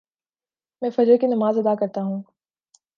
میں فجر کی نماز ادا کر تاہوں